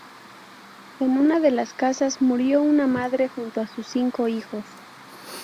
En una de las casas, murió una madre junto a sus cinco hijos.